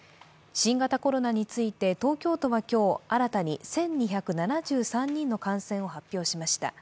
新型コロナについて、東京都は今日、新たに１２７３人の感染を発表しました。